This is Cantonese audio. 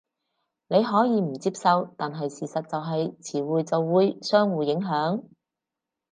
你可以唔接受，但係事實就係詞彙就會相互影響